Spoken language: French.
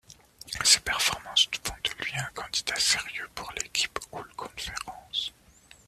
Ses performances font de lui un candidat sérieux pour l'équipe All-conference.